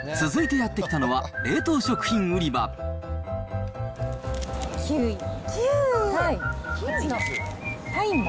続いてやって来たのは、キウイ。